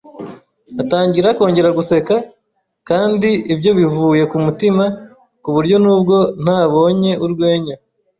Atangira kongera guseka, kandi ibyo bivuye ku mutima, ku buryo nubwo ntabonye urwenya